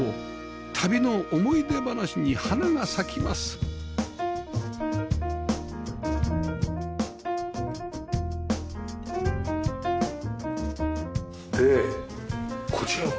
旅の思い出話に花が咲きますでこちらは？